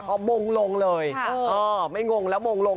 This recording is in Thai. ก็มงลงเลยไม่งงแล้วมงลงทันที